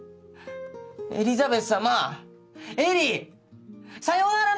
エリザベスさまエリーさよなら